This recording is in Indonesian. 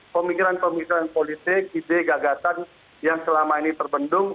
pemikiran pemikiran politik ide gagasan yang selama ini terbendung